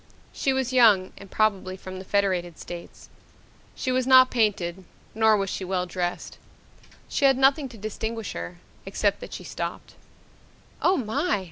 She was young and probably from the Federated States. She was not painted nor was she well dressed. She had nothing to distinguish her, except that she stopped. "Oh, my!"